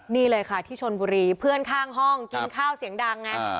นี่เลยค่ะที่ชนบุรีเพื่อนข้างห้องกินข้าวเสียงดังไง